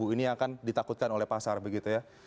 ini akan ditakutkan oleh pasar begitu ya